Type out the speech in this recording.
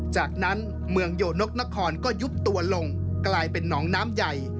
จากนั้นเมืองโยนกนครก็ยุบตัวลงกลายเป็นหนองน้ำใหญ่